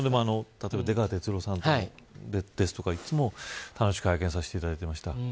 例えば出川哲朗さんですとかいつも楽しく拝見させていただいてました。